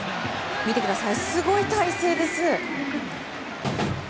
見てください、すごい体勢です。